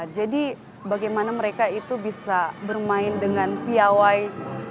jadi bagaimana mereka itu bisa bermain dengan piawai